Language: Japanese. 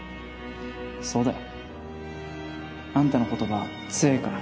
そうだよ。あんたの言葉強ぇから。